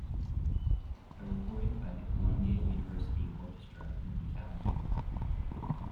A recording by the Columbia University Orchestra can be found here.